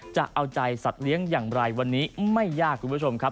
จะเอาใจสัตว์เลี้ยงอย่างไรวันนี้ไม่ยากคุณผู้ชมครับ